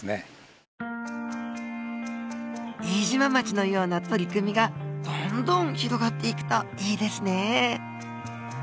飯島町のような取り組みがどんどん広がっていくといいですね。